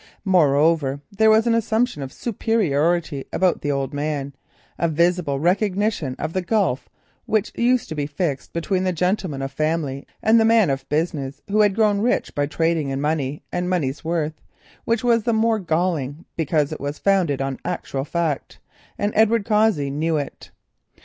Moreover there was an assumption of superiority about the old man, a visible recognition of the gulf which used to be fixed between the gentleman of family and the man of business who has grown rich by trading in money and money's worth, which was the more galling because it was founded on actual fact, and Edward Cossey knew it.